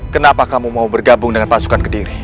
kenapa kamu mau bergabung dengan pasukan kediri